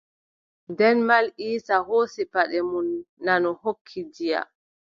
Nden Mal Iisa hoosi paɗe mon nanu hokki Diya.